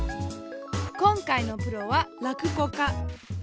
今回のプロは落語家。